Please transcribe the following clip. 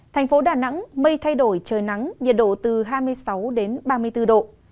thành phố đà nẵng mây thay đổi trời nắng nhiệt độ từ hai mươi sáu ba mươi bốn độ